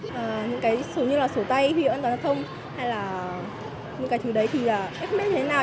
những cái số như là số tay huyện an toàn giao thông hay là những cái thứ đấy thì em không biết thế nào